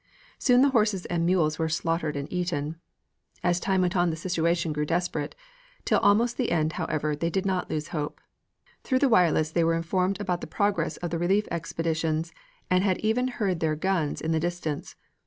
Soon the horses and the mules were slaughtered and eaten. As time went on the situation grew desperate; till almost the end, however, they did not lose hope. Through the wireless they were informed about the progress of the relief expeditions and had even heard their guns in the distance.